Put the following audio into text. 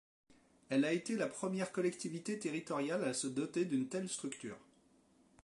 Elle a été la première collectivité territoriale à se doter d’une telle structure.